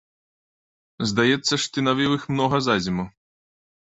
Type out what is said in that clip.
Здаецца ж, ты навіў іх многа за зіму!